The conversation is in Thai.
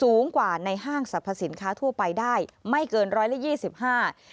สูงกว่าในห้างสรรพสินค้าทั่วไปได้ไม่เกิน๑๒๕บาท